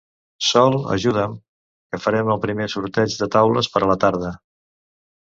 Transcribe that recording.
Sol, ajuda'm, que farem el primer sorteig de taules per a la tarda.